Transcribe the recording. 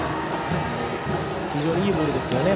非常にいいボールですよね。